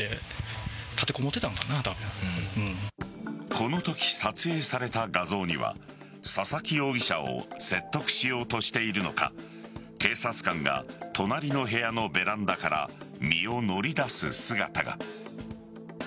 このとき撮影された画像には佐々木容疑者を説得しようとしているのか警察官が隣の部屋のベランダから身を乗り出す姿が。